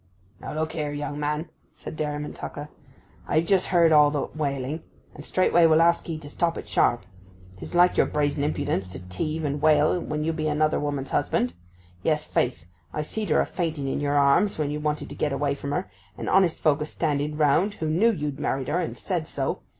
'Now look here, young man,' said Dairyman Tucker. 'I've just heard all that wailing—and straightway will ask 'ee to stop it sharp. 'Tis like your brazen impudence to teave and wail when you be another woman's husband; yes, faith, I see'd her a fainting in yer arms when you wanted to get away from her, and honest folk a standing round who knew you'd married her, and said so.